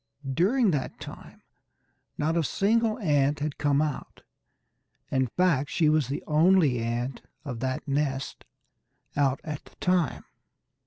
During that time not a single ant had come out; in fact she was the only ant of that nest out at the time.